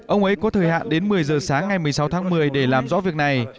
ông ấy có thời hạn đến một mươi giờ sáng ngày một mươi sáu tháng một mươi để làm rõ việc này